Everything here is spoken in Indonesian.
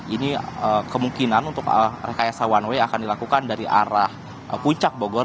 ini kemungkinan untuk rekayasa one way akan dilakukan dari arah puncak bogor